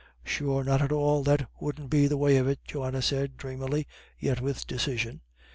"Sure not at all; that wouldn't be the way of it," Johanna said, dreamily, yet with decision.